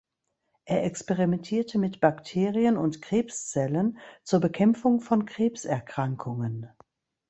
Er experimentierte mit Bakterien und Krebszellen zur Bekämpfung von Krebserkrankungen.